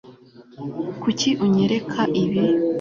Kuki unyereka ibi